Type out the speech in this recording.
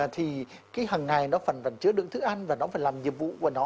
thì cái hằng ngày nó vẫn chứa được thức ăn và nó vẫn làm nhiệm vụ